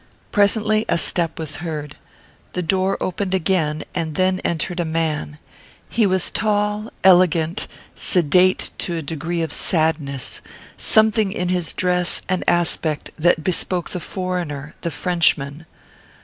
Presently a step was heard. The door opened again, and then entered a man. He was tall, elegant, sedate to a degree of sadness; something in his dress and aspect that bespoke the foreigner, the Frenchman.